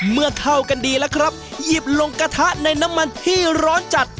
เมื่อเข้ากันดีแล้วครับหยิบลงกระทะในน้ำมันที่ร้อนจัด